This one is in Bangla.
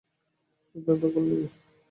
সে তার দখল নিবে।